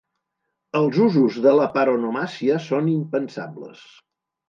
Els usos de la paronomàsia són impensables.